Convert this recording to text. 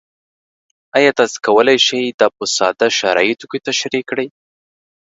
ایا تاسو کولی شئ دا په ساده شرایطو کې تشریح کړئ؟